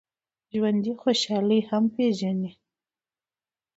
ژوندي خوشحالي هم پېژني